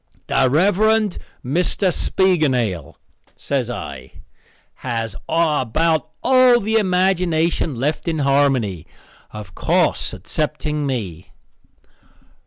"The Rev. Mr. Spiegelnail," says I, "has about all the imagination left in Harmony of course excepting me."